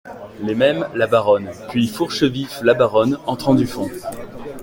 Les mêmes, la Baronne ; puis Fourchevif La Baronne , entrant du fond.